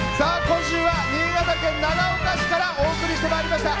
今週は新潟県長岡市からお送りしてまいりました。